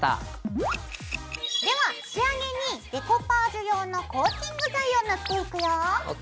では仕上げにデコパージュ用のコーティング剤を塗っていくよ。ＯＫ。